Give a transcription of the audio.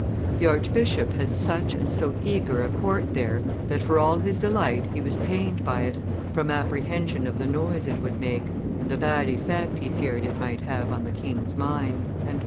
The archbishop had such and so eager a court there, that for all his delight he was pained by it, from apprehension of the noise it would make, and the bad effect he feared it might have on the king's mind."